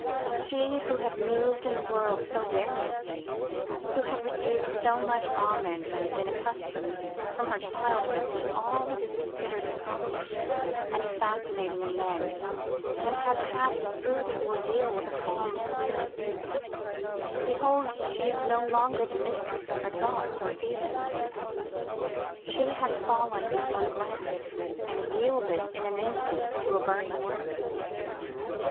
She who had moved in the world so variously, who had received so much homage and been accustomed from her childhood to all that is considered accomplished and fascinating in man, and had passed through the ordeal with a calm clear spirit; behold, she is no longer the mistress of her thoughts or feelings; she had fallen before a glance, and yielded in an instant to a burning word!